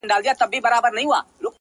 په هغه ورځ خدای ته هيڅ سجده نه ده کړې-